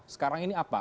sekarang ini apa